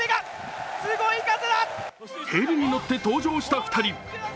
ヘリに乗って登場した２人。